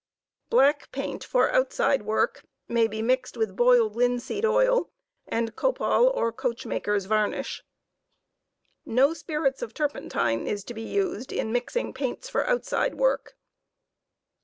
Black paint for outside work may be mixed with boiled linseed oil and copal or coachm akers* . v ar n i sh . No spirits of turpentine is to be used in mixing paints for outside work.